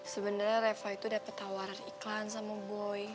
sebenarnya reva itu dapat tawaran iklan sama boy